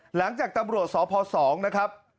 หลังจากตำรวจสพ๒นะครับ